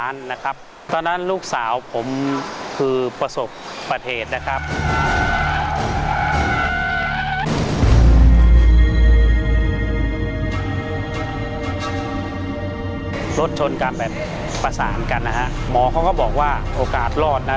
รถชนกันแบบประสานกันนะฮะหมอเขาก็บอกว่าโอกาสรอดนะ